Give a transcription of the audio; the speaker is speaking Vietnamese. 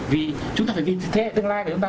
vì chúng ta phải nhìn thế hệ tương lai của chúng ta